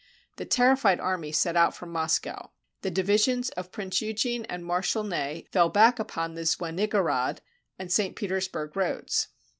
The terrified army set out from Moscow; the divisions of Prince Eugene and Marshal Ney fell back upon the Zwenigarod and St. Petersburg roads.